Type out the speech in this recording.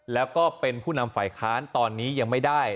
แล้วก็เป็นผู้นำฝ่ายค้านตอนนี้ยังไม่ได้